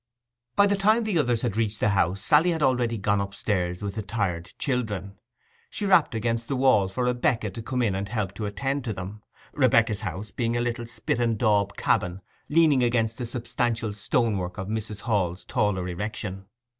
By the time the others reached the house Sally had already gone upstairs with the tired children. She rapped against the wall for Rebekah to come in and help to attend to them, Rebekah's house being a little 'spit and dab' cabin leaning against the substantial stone work of Mrs. Hall's taller erection.